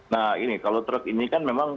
nah ini kalau truk ini kan memang